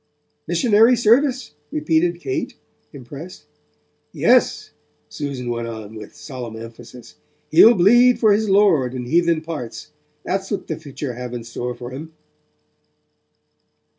'Missionary service?' repeated Kate, impressed. 'Yes,' Susan went on, with solemn emphasis, 'he'll bleed for his Lord in heathen parts, that's what the future have in store for 'im.'